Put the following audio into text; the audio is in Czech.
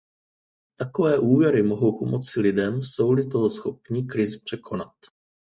Takové úvěry mohou pomoci lidem, jsou-li toho schopni, krizi překonat.